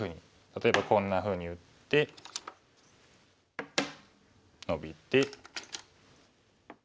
例えばこんなふうに打ってノビて。